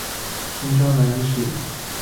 新疆南芥为十字花科南芥属下的一个种。